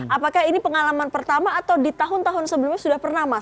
apakah ini pengalaman pertama atau di tahun tahun sebelumnya sudah pernah mas